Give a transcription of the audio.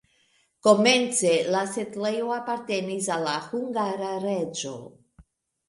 Komence la setlejo apartenis al la hungara reĝo.